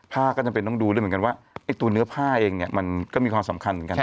ผ้าก็จำเป็นต้องดูด้วยเหมือนกันว่าไอ้ตัวเนื้อผ้าเองเนี่ยมันก็มีความสำคัญเหมือนกัน